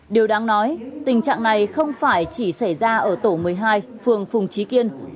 điều đáng nói tình trạng này không phải chỉ xảy ra ở tổ một mươi hai phường phùng trí kiên